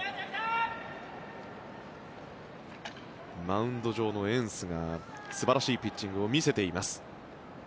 マウンド上のエンスが素晴らしいピッチングを見せています。